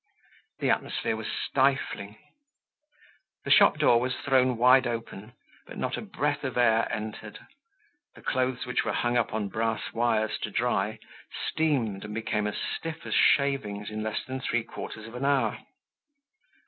The atmosphere was stifling. The shop door was thrown wide open, but not a breath of air entered; the clothes which were hung up on brass wires to dry, steamed and became as stiff as shavings in less than three quarters of an hour.